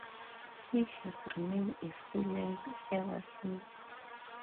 He has remained a freelance ever since.